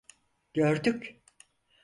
Gördük…